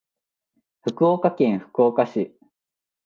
福岡県福岡市